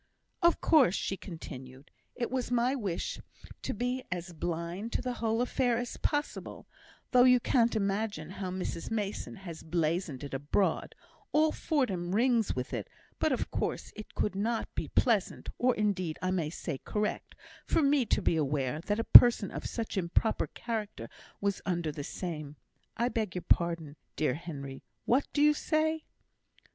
"Of course," she continued, "it was my wish to be as blind to the whole affair as possible, though you can't imagine how Mrs Mason has blazoned it abroad; all Fordham rings with it; but of course it could not be pleasant, or, indeed, I may say correct, for me to be aware that a person of such improper character was under the same I beg your pardon, dear Henry, what do you say?"